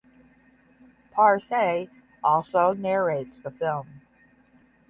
Parsed also narrates the film.